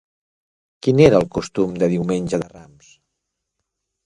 Quin era el costum de diumenge de Rams?